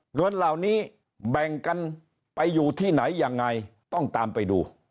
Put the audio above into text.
เงินเหล่านี้แบ่งกันไปอยู่ที่ไหนยังไงต้องตามไปดู